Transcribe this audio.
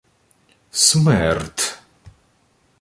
— Смерд!